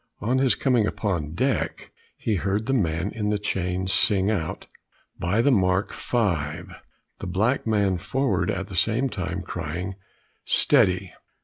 On his coming upon deck, he heard the man in the chains sing out, "by the mark five!" the black man forward at the same time crying "steady!"